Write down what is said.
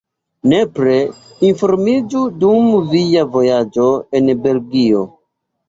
Nepre informiĝu dum via vojaĝo en Belgio!